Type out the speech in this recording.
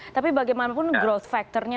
tapi bagaimanapun growth factornya